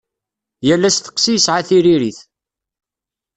Yal asteqsi yesɛa tiririt.